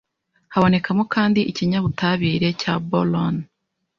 Habonekamo kandi ikinyabutabire cya boron,